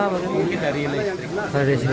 mungkin dari listrik